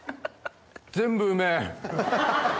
全部うめぇ。